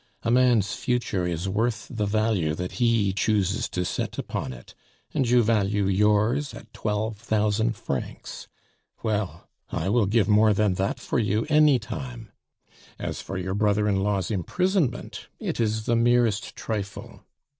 A man's future is worth the value that he chooses to set upon it, and you value yours at twelve thousand francs! Well, I will give more than that for you any time. As for your brother in law's imprisonment, it is the merest trifle.